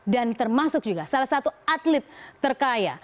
dan termasuk juga salah satu atlet terkaya